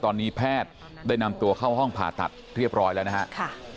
ตอนนี้แพทย์ได้นำตัวเข้าห้องผ่าตัดเรียบร้อยแล้วนะครับ